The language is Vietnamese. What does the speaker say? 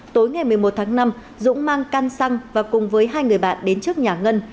tối ngày một mươi một tháng năm dũng mang căn xăng và cùng với hai người bạn đến trước nhà ngân